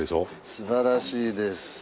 素晴らしいです。